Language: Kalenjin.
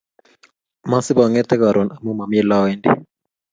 Masipang'ete karon amu mami ole awendi